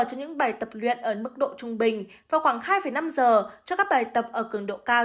cho những bài tập luyện ở mức độ trung bình vào khoảng hai năm giờ cho các bài tập ở cường độ cao